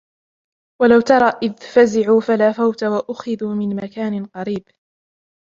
ولو ترى إذ فزعوا فلا فوت وأخذوا من مكان قريب